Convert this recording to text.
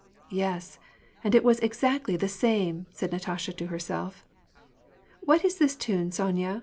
" Yes, and it was exactly the same !" said Natasha to her self. " What is this tune, Sonya